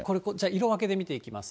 色分けで見ていきます。